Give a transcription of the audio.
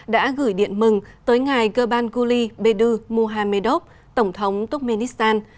đã gửi điện mừng tới ngài gurbanguly bedu muhammadov tổng thống turkmenistan